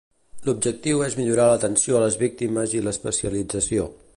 L'objectiu és millorar l'atenció a les víctimes i l'especialització.